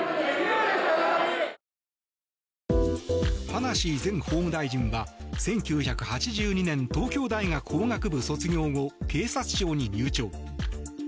葉梨前法務大臣は１９８２年東京大学法学部卒業後警察庁に入庁。